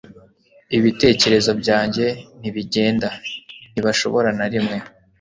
ibitekerezo byanjye ntibigenda; ntibashobora na rimwe